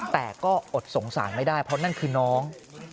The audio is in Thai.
แต่ก็อดสงสารไม่ได้เพราะนั่นคือน้อง